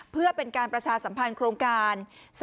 เพื่อเป็นการประชาสัมพันธ์โครงการ